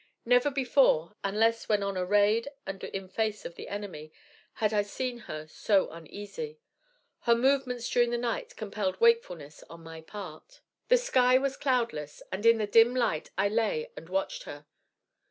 Never before, unless when on a raid and in face of the enemy, had I seen her so uneasy. Her movements during the night compelled wakefulness on my part. The sky was cloudless, and in the dim light I lay and watched her.